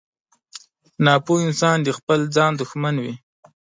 • ناپوه انسان د خپل ځان دښمن وي.